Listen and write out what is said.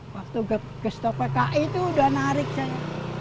waktu ke stok pki itu udah narik saya